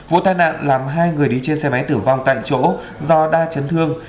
vụ tai nạn làm hai người đi trên xe máy tử vong tại chỗ do đa chấn thương